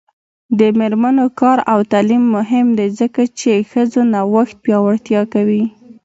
د میرمنو کار او تعلیم مهم دی ځکه چې ښځو نوښت پیاوړتیا کوي.